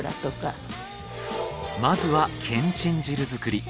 まずはけんちん汁作り。